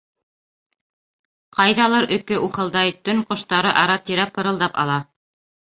Ҡайҙалыр өкө ухылдай, төн ҡоштары ара-тирә пырылдап ала.